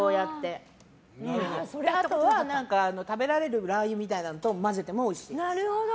あとは、食べられるラー油みたいなのと混ぜてもなるほど！